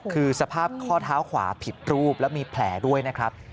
คือสภาพข้อเท้าขวาผิดรูปและมีแผลด้วยนะครับ